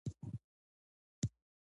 امیر دوست محمد خان یو زړور سړی و.